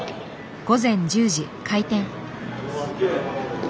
午前１０時開店。